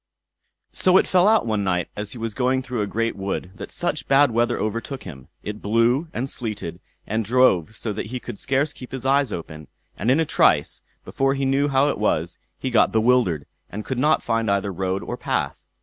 So it fell out one night as he was going through a great wood that such bad weather overtook him. It blew, and sleeted, and drove so that he could scarce keep his eyes open; and in a trice, before he knew how it was, he got bewildered, and could not find either road or path.